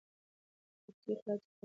کړکۍ خلاصه پاتې وه.